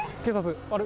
あれ？